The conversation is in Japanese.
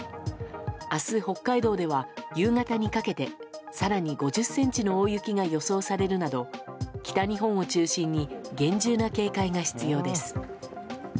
明日、北海道では夕方にかけて更に５０ｃｍの大雪が予想されるなど北日本を中心に厳重な警戒が必要です。